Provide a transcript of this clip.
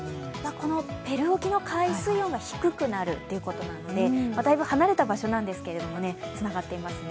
このペルー沖の海水温が低くなるということなのでだいぶ離れた場所なんですけれどもつながっていますね。